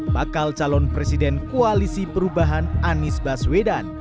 bakal calon presiden koalisi perubahan anies baswedan